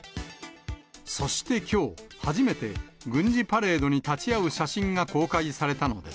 そしてきょう、初めて、軍事パレードに立ち会う写真が公開されたのです。